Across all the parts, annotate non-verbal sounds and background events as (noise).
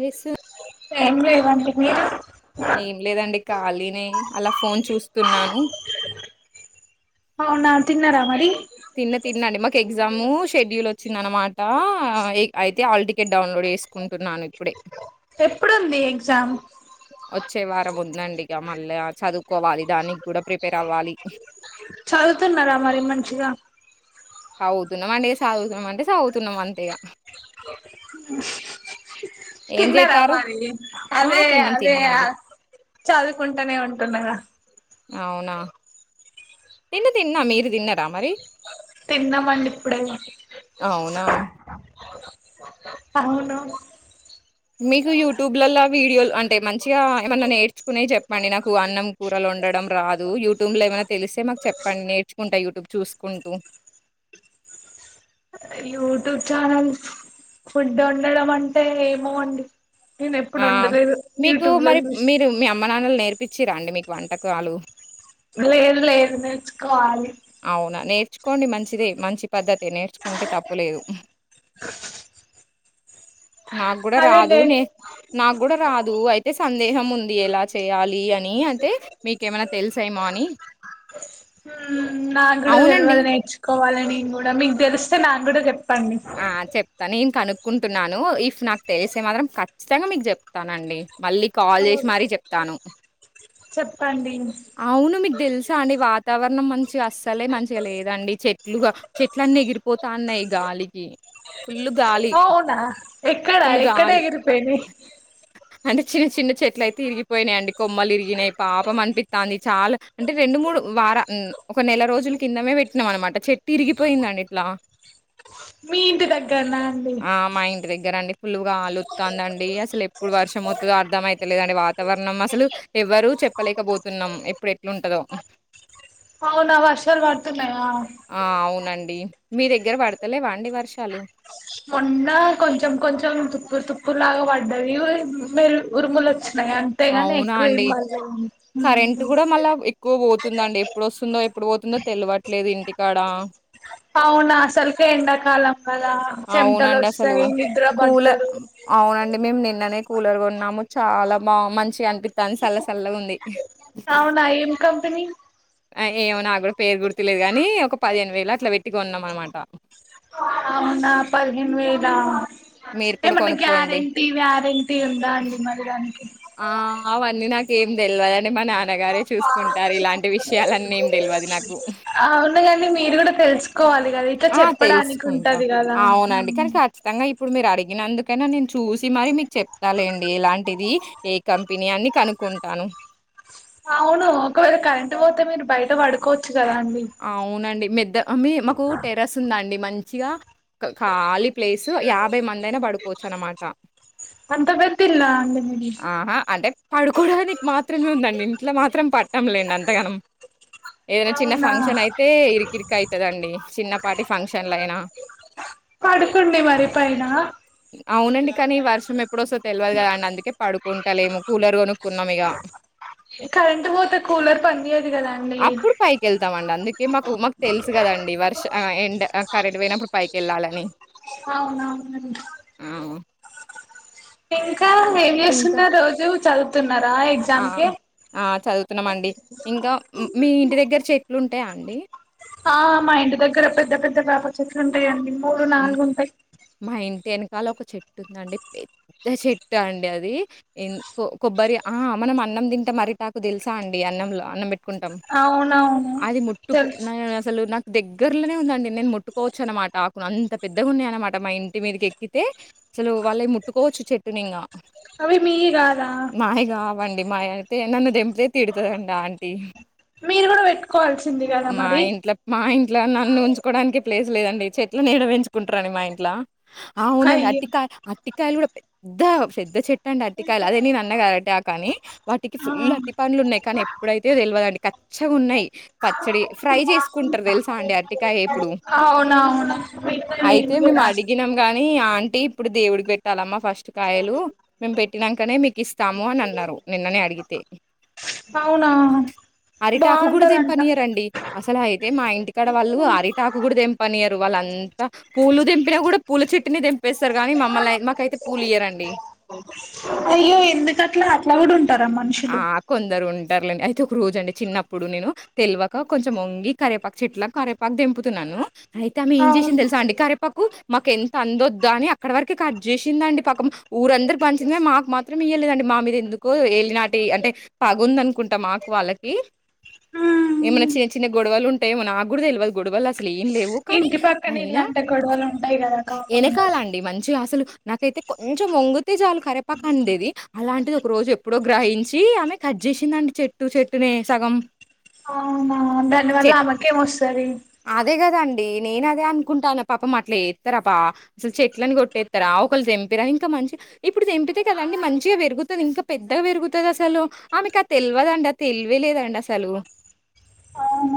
ఏసు ఏం లేవంట మీయా ఏం లేదండి ఖాళీనే అలా ఫోన్ చూస్తున్నాను అవునా తిన్నరా మరి తిన్న తిన్నండి మాకు ఎగ్జామ్ షెడ్యూల్ వచ్చింద అనమాట అయితే ఆల్టిక్ టికెట్ డౌన్లోడ్ చేసుకుంటున్నాను ఇప్పుడే ఎప్పుడుంది ఎగ్జామ్ వచ్చే వారం ఉందండి ఇక మళ్ళా చదువుకోవాలి దానికి కూడా ప్రిపేర్ అవ్వాలి చదువుతున్నారా మరి మంచిగా సావుతున్నాం అంటే సాగువుతున్నాం అంటే సాగుతున్నాం అంతేగా (inaudible) ఏం తిన్నారా చేస్తారు మరి ఆ అదే తిన్నాం అదే తిన్నామండి చదువుకుంటానే ఉంటున్నగా అవునా తిన్న తిన్నా మీరు తిన్నారా మరి తిన్నామండి ఇప్పుడే అవునా అవును మీకు యూట్యూబ్లలా వీడియోలు అంటే మంచిగా ఏమన్నా నేర్చుకునే చెప్పండి నాకు అన్నం కూరలు ఉండడం రాదు యూట్యూబ్ లో ఏమైనా తెలిస్తే మాకు చెప్పండి నేర్చుకుంటా యూట్యూబ్ చూసుకుంటూ (inaudible) యూట్యూబ్ ఛానల్స్ ఫుడ్ వండడం అంటే ఏమో అడి ఆ మీకు మరి చూసి మీరు మీ అమ్మ నాన్నలు నేర్పించిరా అండి మీకు వంటకాలు లేదు లేదు నేర్చుకోవాలి అవునా నేర్చుకోండి మంచిదే మంచి పద్ధతే నేర్చుకుంటే తప్పులేదు (unintelligible) నాకు కూడా అదే రాదు నేర్ నే నాకు కూడా రాదు అయితే సందేహం ఉంది ఎలా చేయాలి అని అయితే మీకేమైనా తెలుసుమో అని నా కూడా అవునండి. తెలువదు నేర్చుకోవాలని కూడా మీకు తెలిస్తే నా కూడా చెప్ ఆ చెప్తా న ఏం కను కుంటున్నాను ఇఫ్ నాకు తెలిసే మాత్రం ఖచ్చితంగా మీకు చెప్తానండి మళ్ళీ కాల్ చేసి మరీ చెప్తాను చెప్పండి అవును మీకు తెలుసా అండి వాతావరణం మంచి మంచి అస్సలే మంచిగా లేదండి చెట్లుగా చెట్ల అన్నీ ఎగిరిపోతా ఉన్నాయి గాలికి ఫుల్ గాలి అవునా ఎక్కడా ఎక్కడ ఎగిరిపోయినా అంటే చిన్న చిన్న చెట్లు అయితే ఇరిగిపోయినాయియండి కొమ్మలు ఇరిగినాయి పాపం అనిపించి అంది చాలా అంటే రెండు మూడు వార ఒక నెల రోజుల కిందమే పెట్టినాం అనమాట చెట్టు ఇరిగిపోయింది అంట్లా మీ ఇంటి దగ్గరన్న అండి పుల్లుగా ఆలుస్తుందండి అసలు ఎప్పుడు వర్షం అవుతుందో అర్ధం అయితలేదండి వాతావరణం అసలు ఎవరు చెప్పలేకపోతున్నాం ఎప్పుడు ఎట్లుంటందో అవునా వర్షాలు పడుతున్నాయ ఆ! అవునండి. మీ దగ్గర పడతలేవా అండి వర్షాలు మొన్న కొంచెం కొంచెం తుప్పురు తుప్పు లాగా పడ్డది మరు ఉరుముల వొచ్చ అయి అంతేగాని అవునా ఎక్కువ ఏం అండి. పాండవు దండి ఎప్పుడు వస్తుందో ఎప్పుడు పోతుందో తెలివట్లేదు ఇంటికాడ అవునా అసల్కె ఎండాకాలం కదా చెమటలు అవునండి అసలు వస్తాయి నిద్ర కూలర్ పట్టదు అవునండి మేము నిన్ వెంటనే కూలర్ కొన్నాము, చాలా బా మంచిగా అనిపిస్తాదిన్, సల్లసల్లగా ఉంది. అవునా, ఏం కంపెనీ ఏమో నాకు కూడా పేరు గుర్తులేదు, కానీ ఒక పదిహేను వేలు అట్లా పెట్టి కోన్నాం, అన్నమాట అవున పదిహేను వేలా మీరు కూడా ఏమన్నా కొనుక్కోండి. గ్యారంటీ వ్యారంటీ ఉందా అండి మరి దానికి ఆ అవన్నీ నాకేం తెలవదండి మా నాన్ నాన్న గారే చూసుకుంటారు ఇలాంటి విషయాలన్నీ ఏం తెలవదు నాకు అవును కానీ మీరు కూడా తెలుసుకోవాలి కదా ఇట్ల ఆ! చెప్పడానికి తెలుసుకుంటా. ఉంటది కదా అవునండి. కానీ ఖచ్చితంగా ఇప్పుడు మీరు అడిగిన అందుకెనా నేను చూసి మరి మీకు చెప్తాలేండి ఇలాంటిది ఏ కంపెనీ అని కనుకుంటాను అవును ఒకవేళ కరెంట్ పోతే మీరు బయట పడుకోవచ్ అవునండి మెద్ద మమ్ మాకు టెరస్ ఉందా అండి మంచిగా ఖాళీ ప్లేసు యాభై మంది అయినా పడుకోవచ్చు అనమాట అంత పెద్ద ఇల్లా అండి మీది ఆహా అంటే పడుకోడానికి మాత్రమే ఉందండి ఇంట్లో మాత్రం పట్టం లేండి, అంతగానం ఏదనా చిన్న అవునా ఫంక్షన్ అయితే ఇరికిరికి అవుతదండి చిన్నపాటి ఫంక్షన్లయినా పడుకోండి మరి పైన అవునండి కానీ వర్షం ఎప్పుడు వాస్తదో తెలవదు కదా అండి అందుకే పడుకుంటలేము కూలర్ కొనుక్కున్నాం ఇగా కరెంట్ పోతే కూలర్ పనిచ్చెయదు కదాండి వెళ్తామండి అందుకే మాకు మాకు తెలుసు కదండి వర్ష ఎండ్ కరెంట్ పోయినప్పుడు పైకి వెళ్ళాలని అవునవును అండీ ఇంకా ఏం ఇంకా చేస్తున్న రోజు చదువుతున్నారా ఎగ్జామ్ కి చదువుతున్నాం అండి ఇంకా మీ ఇంటి దగ్గర చెట్లు ఉంటాయా అండి ఆ మా ఇంటి దగ్గర పెద్ద పెద్ద వేప చెట్లు ఉంటాయండి మూడు నాలుగు ఉంటాయి ఇవాళ ఒక చెట్టుందండి పెద్ద చెట్టు అండి అది కొబ్బరి ఆ మనం ఆన్ అన్నం తింటం అరిటాకు తెలుసా అండి అన్నంలో అన్నం పెట్ ట్టుకుంటాం అవునవును అది ముట్టుకు తెలుసు నీను అసలు నాక్ దగ్గర్లోనే ఉందండి నేను ముట్టుకోవచ్చు అనమాట అంత పెద్దగా ఉన్నాయ, అనమాట మా ఇంటి మీదకి ఎక్కితే అసలు వాళ్ళే ముట్టుకోవచ్చు, చెట్టుని ఇంగా అవి మీయ్యి కాదా ఇవ్వండి మా అయితే నన్ను దెంపితే తిడుతదండి ఆంటీ మీరు కూడా పెట్టుకోవాల్సింది కదా మరి ఇట్లా నన్ను ఉంచుకోవడానికి ప్లేస్ లేదండి చెట్ల ఏడ పెంచుకుంటారని మా ఇంట్ల ఆ అవునండి అయ్యో అటికాయ, అటికాయలు కూడా పెద్దగ పెద్ద చెట్ ండి అటికాయలు, అదే నీను అన్నకాదా అరిటాకు, అన్ని వాటికి ఆ ఫుల్ అటి పండ్లు ఉన్నాయి, కానీ ఎప్పుడైతే తెలివదండి. క పచ్చగా ఉన్నాయి, పచ్చడి ఫ్రై చేసుకుంటారు, తెలుసా అండి అటికాయ ఇప్పుడు, అవునవును పెట్టా అయితే నేను మేము కూడా అడిగినం, ని ఆంటీ ఇప్పుడు దేవుడికి పెట్టాలమ్మా ఫస్ ఫాస్ట్ కాయలు మేము పెట్టినాకనే మీకు ఇస్తాము అని అన్నారు, నిన్ననే అడిగితే అవునా అరిటాకు కూడా బాగుంటదంట తెంపనియరుండి, అసలు అయితే మా ఇంటికాడ వాళ్ళు అరిటాకు కూడా తెంపనియరు, వాళ్ళంతా పువ్వులు తెపిన, కూడా పువ్వుల చెట్టిని తెం చప్పేస్తారు కానీ మమ్మల్ని మాకైతే పువ్వులు ఇయ్యరండి. అయ్యో ఎందుకట్లా అట్లా అట్లా కూడా ఉంటారా ఆ మనుషులు అ కొందరు ఉం ఉంటారులేండి, అయితే ఒక రోజు అండి చిన్నప్పుడు నేను తెల్వక కొంచం ఓంగి కరేపాకు చెట్ల కరేపాకు తెంపుతున్నాను. అయితే ఆమె ఏం అవును చేసింది, తెలుసా అండి కారేపాకు మాకు ఎంత అందొద్దా, అని అక్కడ వరకే కట్ చేసిందండి, పక్కం ఊరందరికి పంచింది, కానీ మాకు మాత్రం ఇయలేదండి. మా మీద ఎందుకు ఏలినాటి అంటే పగుంద అనుకుంటా మాకు వాళ్ళకి ఏమైన్నా ఉమ్ చిన్న చిన్న గొడవలు ఉంటా ఏమనా ఆ కూడా తెలియాలదు గొడవలస్ అసలు ఏం లేవు కానీ ఇంటి పక్కన అయినా ఇలాంటి గొడవలు ఉంటాయి కదా కామన్ గా వెనకాల అండి మంచి అసలు నాకైతే కొంచెం మొంగుతే జాలు కరిపక ఉండేది అలాంటిది ఒక రోజు ఎప్పుడో గ్రహించ చ్చ ఆమె కట్ చేసిందండి చెట్టు చెట్టునే సగం అవునా ధన్యవాదాలు చెట్ ఆమకేమొస్తంది నేను అదే అనుకుంటాను పాప అట్లా ఏస్తారాపా అసలు చెట్లలను కొట్టేస్తారా ఒకళ్ళు తెంపిరా ఇంకా మంచి ఇప్పుడు తెంపితే కదా అండి మంచిగా పెరుగుతుంది ఇంకా పెద్దగారుగుతుంది అసలు ఆమెకు తెలివదండి తెలివలేదండి అసలు ఆ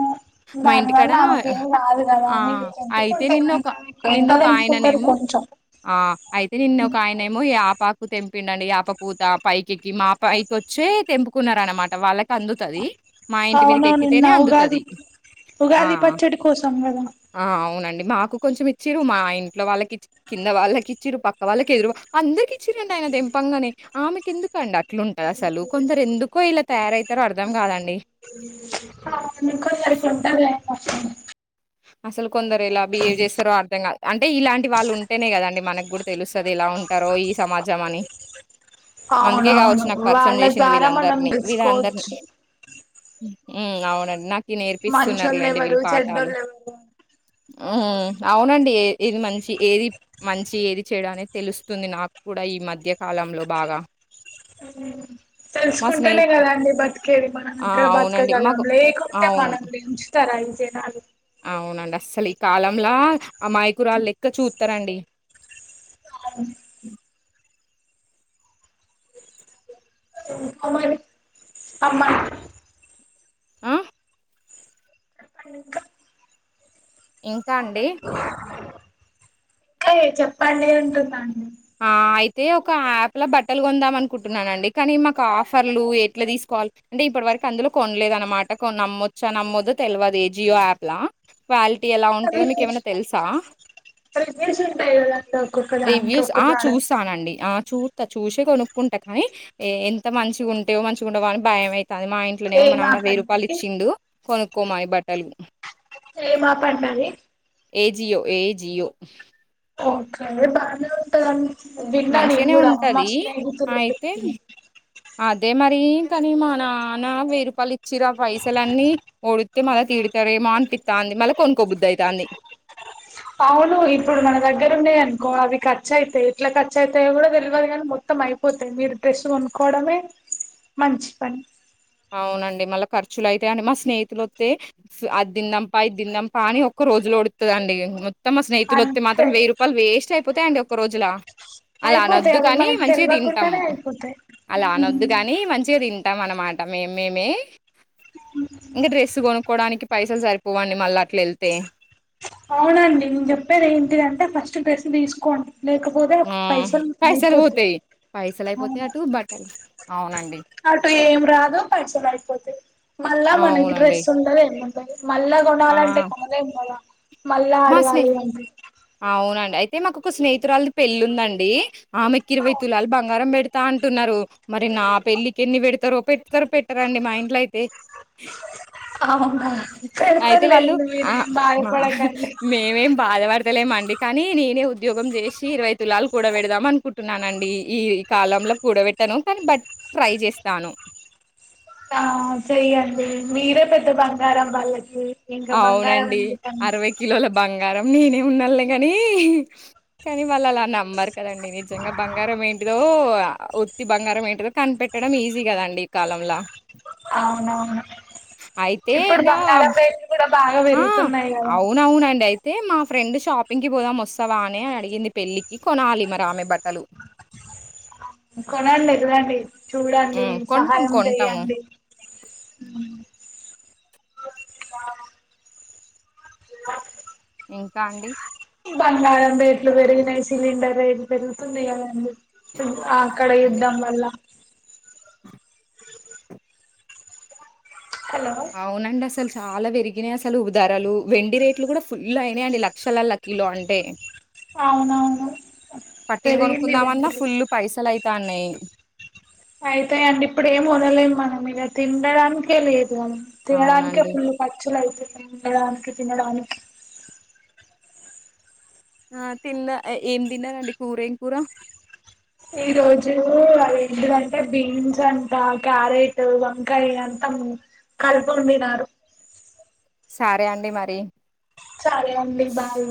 దానివల్ల ఆమెకు ఏం రాదు కదా ఆ! అని అయితే చెంపుకుంటే నిన్నొక కనుక ఎంతదింపుకుంటారు నిన్నొకాయననేమో కొంచెం ఆ అయితే నిన్న ఒక ఆయన ఏమో ఆపకు తెంపిండండి ఆప పూత పైకిెక్కి మా పైకొచ్చే తెంపుకున్న అనమాట వాళ్ళకి అందుతది మా ఇంటి మీదకి అవునవును నిన్న ఎక్కితేనే ఉగాది అందుతుంది ఆ ఉగాది పచ్చడి కోసం కదా ఆ అవునండి మాకు కొంచెం ఇచ్చారు మా ఇంట్లో వాళ్ళకిచ్చ కింద వాళ్ళకి ఇచ్చారు పక్క వాళ్ళకి ఎదురు అందరికి ఇచ్చరండి ఆయన పనే ఆమెకి ఎందుకం అట్లుంటారు అసలు కొందరు ఎందుకో ఇలా తయారవుతారో అర్థం కాదండి సారిపోంట అసలు కొందరు ఎలా బిహేవ్ చేస్తారో అర్థం కాదు అంటే ఇలాంటి వాళ్ళు ఉంటేనే కదండి మనకు కూడా తెలుస్తుంది ఎలా ఉంటారో ఈ సమాజం అని అందుకే కావచ్చు అవునవును నాకు పరిచయం వాళ్ళ చేసింది ద్వారా మనం వీళ్ళందరినీ వీళ్ళందరినీ తెలుసుకోవచ్చు అవునండి నాకు నేర్పిస్తున్నారులేండి వీళ్ళు పాఠాలు అ ఉమ్ అవునండి ఏ ఏది మంచి ఏది మంచి ఏది చేయడా అనేది తెలుస్తుంది నాకు కూడా ఈ మధ్య కాలంలో బాగా ఉ మా స్నేహి తెలుసుకుంటేనే కదాండి బతకేది మనం ఆ! అవునండి. మాకు బతకగలంలో లేకుంటే అవును. మనం గుంచి తయించ నా అవునండి అస్సలు ఈ కాలంలా అమాయకురాళ్ళు లెక్క చూస్తారండి అ అమ అమా ఆ! చెప్పండి ఇంకా ఇంకా అండి అ చెప్పండి అంటుందండి ఆ అయితే ఒక యాప్ లో బట్టలు కొందాం అనుకుంటున్నానండి కానీ మాకు ఆఫర్లు ఎట్లా తీసుకు కాల్ అంటే ఇప్పటి వరకు అందులో కొనలేదు అనమాట కొ నమ్మొచ్చా నమ్మొద్దో తెలియదు ఏ జియో యాప్ లా క్వాలిటీ ఎలా ఉంటాయో మీక ఏమైనా తెలుసా ప్ర వింట ఒకనికి ఒ రివ్యూస్ చూస్తానండి చూస్తా చూసే కొనుక్కుంటా కానీ ఎంత మంచిగాంటేవో మంచిగా ఉంటవుని భయంమయి అది మా ఇంట్లోనేమో మా ఏం నాన్న ఆఫ్ వెయ్యి రూపాయలు అంటది ఇచ్చిండు కొనుక్కోమా ఈ బట్టలు సర మాపాడనాలి ఏ జియో ఏ జియో ఓకే అే బాగా ఉంట మంచిగానే ఉంటది అయితే చెప్పింది అదే మరి కానీ మా నాన్న వెయ్యి రూపాయలు ఇచ్చి పైసలన్నీ ఓడితే మళ్ళా తీడతారేమో అనిపిస్తా అ మళ్ళ కొనుక్కకోబుద్దు అయి దాన్ని అవును ఇప్పుడు మన దగ్గర ఉన్నాయ అనుకో అవి ఖచు అయితాయి ఎట్లా ఖర్చ అయితయో కూడా తెలియదు కానీ మొత్తం అయిపోతాయి మీరు డ్రెస్సు కొనుకోవడమే మంచి పని అవునండి మళ్ళా ఖర్చులు అయితా అండి మా స్నేహితులు వస్తతే అదిందంపా ఇద్దందంపా అని ఒ రోజులు పడుతుంది అండి మొత్తం మా స్నేతులు వస్తతే మాత్రం అంతే వేయియ్ రూపాయలు వేస్ట్ అయిపోతాయి అండి ఒక రోజులా అయిపోతాయి అలానొద్దు అవి కాని మనకు మంచిగా తింటాం తెల్వకుండానే అయిపోతాయి అలా ఉమ్, అనొద్దు కాని మంచిగా తింటాం మనలో మన మాట మే మేమే ఇంకా డ్రెస్ కొనుక్కోవడానికి పైసలు సరిపోవండి మళ్ళీ అట్ల వెళ్తే అవునండి నేను చెప్పేది ఏంటిదంటే ఫస్ట్ డ్రెస్ తీసుకోండి లేకపోతే ఆ పైసలు పైసలు అయిపోతాయి పోతాయి పైసలు అయిపోతాయి అవును అటు బట్టలు అవునండి అటు ఏం రాదో పైసలు అయిపోతాది మళ్ళా ఆ! మనకి అవునండి. డ్రెస్ ఉండదు ఏమీ ఉండదు మల్ళా ఆ! కొనాలంటే కొనాలేము కదా మళ్ళా మా స్మి అడగాలి అంటే అవునండి అయితే మాకు ఒక స్నేహితురాళ్ది పెళ్లి ఉందండి ఆమెకిరవై తులలు బంగారం పెడుత తా అంటున్నారు మరి నా పెళ్ళకి ఎన్ని పెడతారో పెడతారొ పెట్టారండి మా ఇంట్లో అయితే అవునా అయితే వాళ్ళు పెడతర్లేండి ఆ! మీరే మా బయపడకండి మేమేం బాధపడ పెడతలేమండి కానీ నేనే ఉద్యోగం చేసి ఇరవై తులాలు కూడా పెడదాం అనుకుంటున్నాన అండి ఈ కాలం కూూడబెట్టను కానీ బ ట్రై చేస్తాను ఆ చెయ్యండి మీరే పెద్ద బంగారం వాళ్ళకి ఇంకా బంగారం అవునండి ఎందుకండి అరవై కిలోల బంగ బంగారం నేనే ఉన్నాాలే కాని కానీ వాళ్ళు అలా నమ్మారు కదండి నిజంగా బంగారం ఏంటి ఏదో ఉత్తి బంగారం ఏంటిదో కనిపెట్టడం ఈజీ కదండి ఈ కాలంలో అవునవును ఇప్పుడు ఇంగా బంగారం రేటు కూడా బాగా ఆ! పెరుగుతున్నాయి కదా అవునవునండి. అయితే మా ఫ్రెండ్ షాపింగ్ పోదాం వస్తావా అని అని అడిగింది పెళ్ళికి కొనాలి మరి ఆమె బట్టలు కొనండి అడ్వాంటేజ్ చూడండి హ్మ్. కొంటాం, సహాయం కొంటాము. చేయండి ఇంకా అండి బంగారం రేట్లు పెరిగినాయి సిలిండర్ పెరుగుతుంది కదండి అక్కడ అండి. యుద్ధం వల్ల హలో అవునండి అసలు చాలా పెరిగినాయి అసలు ఉదారలు వెండి రేట్లు కూడా ఫుల్ అయినాయియండి లక్షలలో కిలో అంటే అవునవును పట్టీలు పెరిగింది వెండి కొనుకుందామన్నా రేట్ ఫుల్లు పైసలు అయి తనయి అయితే అండి ఇప్పుడు ఏం కొనలేదు మనం ఇక తినడానికే లేదు తినడానికిే అవునండి. ఫుల్ ఖర్చులు అయితే తినడానికి తినడానికి ఆ తిన్న ఏం తిన్నారంండి కూర ఏం కూర ఈ రోజు ఏంటిదంటే బీన్స్ అంతా క్యారెట్ వంకాయ అంతా కలిపి వండినారు సరే అండి మరి సరే అండి బాయ్